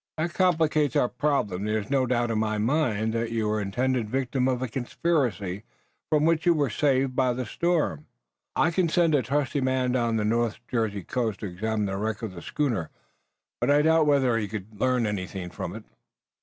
"That complicates our problem. There's no doubt in my mind that you were the intended victim of a conspiracy, from which you were saved by the storm. I can send a trusty man down the North Jersey coast to examine the wreck of the schooner, but I doubt whether he could learn anything from it."